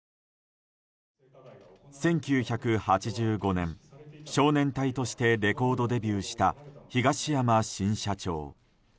１９８５年、少年隊としてレコードデビューした東山新社長。